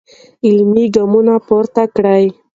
عملي ګامونه پورته کړئ.